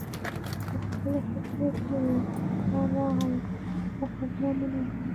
پخپلو خبرو کې وو چې پلار راغی خو خبر مو نه کړ